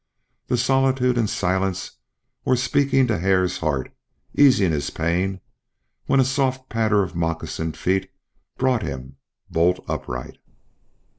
The solitude and silence were speaking to Hare's heart, easing his pain, when a soft patter of moccasined feet brought him bolt upright.